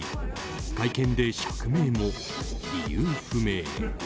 会見で釈明も、理由不明。